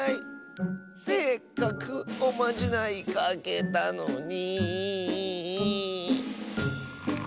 せっかくおまじないかけたのに。